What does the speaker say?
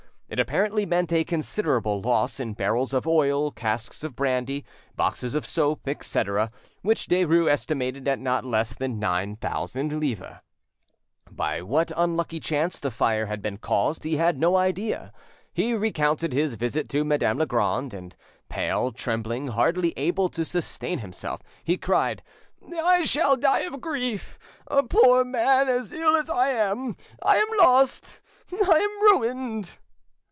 It apparently meant a considerable loss in barrels of oil, casks of brandy, boxes of soap, etc., which Derues estimated at not less than nine thousand livres. By what unlucky chance the fire had been caused he had no idea. He recounted his visit to Madame Legrand, and pale, trembling, hardly able to sustain himself, he cried— "I shall die of grief! A poor man as ill as I am! I am lost! I am ruined!"